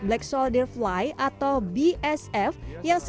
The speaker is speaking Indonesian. dia juga juga sorgen dilihat sebagai sebuah serangga